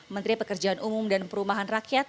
menteri pekerjaan umum dan perumahan rakyat